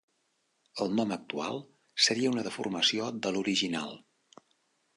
El nom actual seria una deformació de l'original.